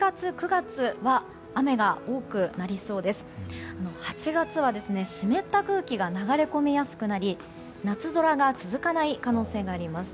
８月は湿った空気が流れ込みやすくなり夏空が続かない可能性があります。